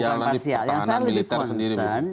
yang saya lebih concern